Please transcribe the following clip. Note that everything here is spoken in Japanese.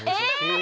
え！